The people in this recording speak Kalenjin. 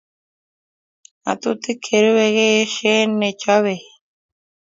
ngatutik che rubei keyeshe nechobei